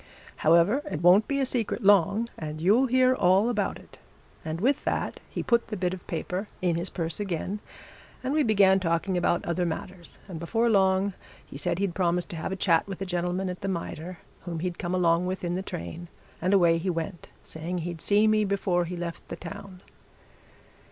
However, it won't be a secret long, and you'll hear all about it.' And with that he put the bit of paper in his purse again, and we began talking about other matters, and before long he said he'd promised to have a chat with a gentleman at the Mitre whom he'd come along with in the train, and away he went, saying he'd see me before be left the town."